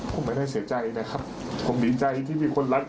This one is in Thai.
ผมไม่ได้เสียใจนะครับผมดีใจที่มีคนรัก